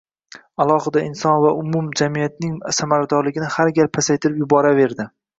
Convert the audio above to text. alohida inson va umum jamiyatning samaradorligini har gal pasaytirib yuboraverdi.